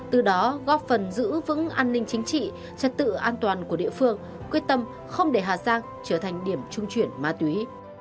từ đó góp phần giữ vững an ninh chính trị trật tự an toàn của địa phương quyết tâm không để hà giang trở thành điểm trung chuyển ma túy